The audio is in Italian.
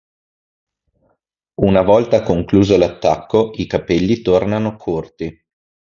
Una volta concluso l'attacco i capelli tornano corti.